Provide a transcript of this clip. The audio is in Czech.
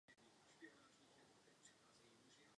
K dispozici má pět plně vybavených záchranných vrtulníků.